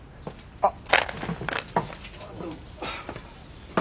あっ。